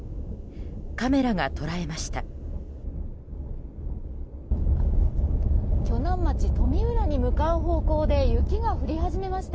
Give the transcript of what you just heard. カメラが捉えました。